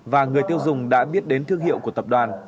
và người tiêu dùng đã biết đến thương hiệu của tập đoàn